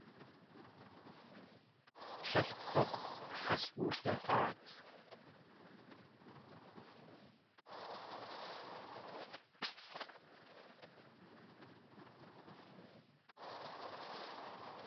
Tlél k̲ux̲ has wuda.aat.